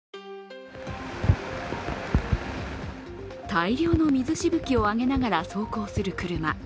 大量の水しぶきを上げながら走行する車。